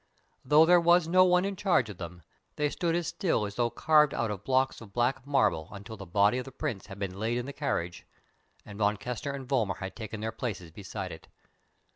Though there was no one in charge of them, they stood as still as though carved out of blocks of black marble until the body of the Prince had been laid in the carriage and Von Kessner and Vollmar had taken their places beside it.